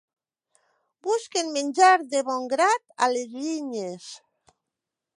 Busquen menjar de bon grat a les llinyes.